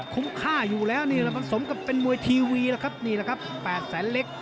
คุ้มค่าอยู่แล้วสมกับเป็นมวยทีวีครับแปดแสนเล็ก